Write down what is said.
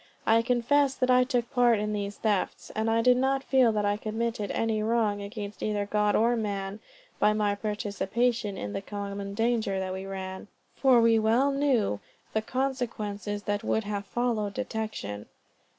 I confess that I took part in these thefts, and I do not feel that I committed any wrong, against either God or man, by my participation in the common danger that we ran, for we well knew the consequences that would have followed detection.